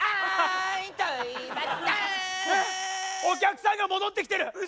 お客さんが戻ってきてる！